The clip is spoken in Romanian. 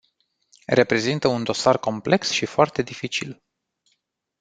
Reprezintă un dosar complex și foarte dificil.